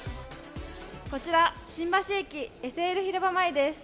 こちら新橋駅ＳＬ広場前です。